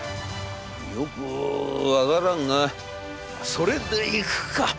『よく分からんがそれでいくか。